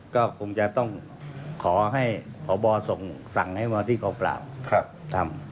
ก็คงจะต้องขอให้ขอบ่อส่งสั่งให้บอลติกองกล่าวทำ